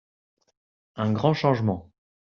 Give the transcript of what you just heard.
Un grand changement.